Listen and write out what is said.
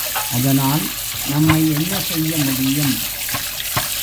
அதனால் நம்மை என்ன செய்ய முடியும்?